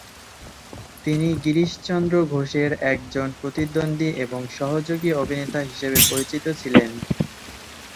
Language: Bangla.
তিনি গিরিশ চন্দ্র ঘোষের একজন প্রতিদ্বন্দ্বী এবং সহযোগী অভিনেতা হিসাবে পরিচিত ছিলেন।